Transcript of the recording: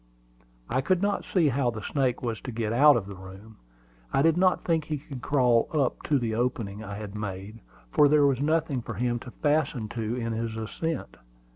I could not see how the snake was to get out of the room. I did not think he could crawl up to the opening I had made, for there was nothing for him to fasten to in his ascent.